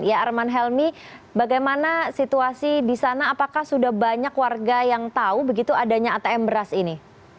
ya arman helmi bagaimana situasi di sana apakah sudah banyak warga yang tahu begitu adanya atm beras ini